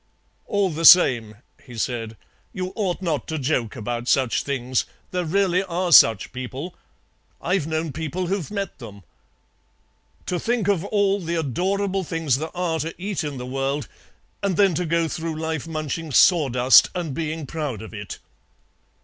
"All the same," he said, "you ought not to joke about such things. There really are such people. I've known people who've met them. To think of all the adorable things there are to eat in the world, and then to go through life munching sawdust and being proud of it."